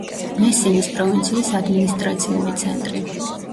მესინის პროვინციის ადმინისტრაციული ცენტრი.